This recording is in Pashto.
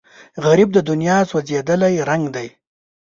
غریب د دنیا سوځېدلی رنګ دی